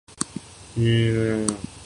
لیکن تصور قابلِعمل ہے